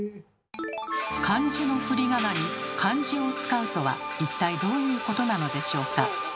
漢字のふりがなに漢字を使うとは一体どういうことなのでしょうか？